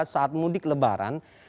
saat mudik lebaran